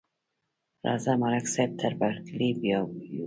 راځه، ملک صاحب تر برکلي بیایو.